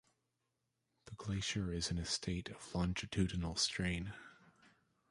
The glacier is in a state of longitudinal strain.